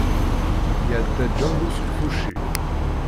Iεedda Django s lfuci.